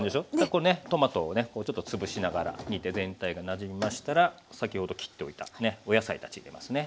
これねトマトをねちょっと潰しながら煮て全体がなじみましたら先ほど切っておいたお野菜たち入れますね。